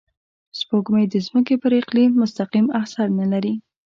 سپوږمۍ د ځمکې پر اقلیم مستقیم اثر نه لري